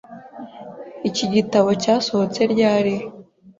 Iki gitabo cyasohotse ryari?